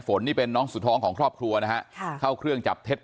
นี่เป็นน้องสุดท้องของครอบครัวนะฮะค่ะเข้าเครื่องจับเท็จ